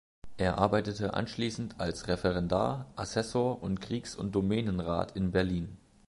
Er arbeitete anschließend als Referendar, Assessor und Kriegs- und Domänenrat in Berlin.